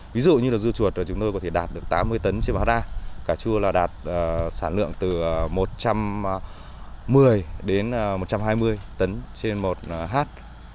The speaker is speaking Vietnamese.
ví dụ như dưa chuột chúng tôi có thể đạt được tám mươi tấn trên một hát cà chua là đạt sản lượng từ một trăm một mươi đến một trăm hai mươi tấn trên một hát